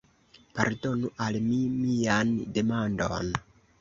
Pardonu al mi mian demandon!